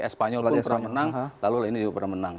espanol pun pernah menang lalu ini juga pernah menang